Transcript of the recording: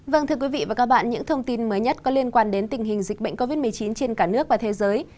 vâng thưa quý vị và các bạn những thông tin mới nhất có liên quan đến tình hình dịch bệnh covid một mươi chín trên cả nước và thế giới